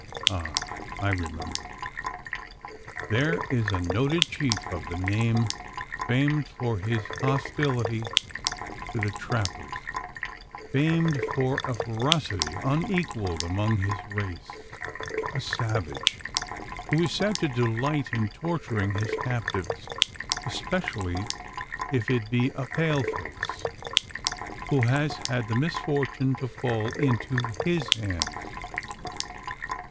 Ah! I remember. There is a noted chief of the name, famed for his hostility to the trappers famed for a ferocity unequalled among his race a savage, who is said to delight in torturing his captives especially if it be a pale face who has had the misfortune to fall into his hands.